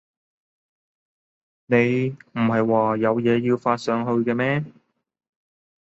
你唔喺話有嘢要發上去嘅咩？